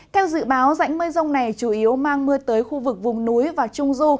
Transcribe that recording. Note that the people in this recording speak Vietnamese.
theo dự báo rãnh mây rông này chủ yếu mang mưa tới khu vực vùng núi và trung du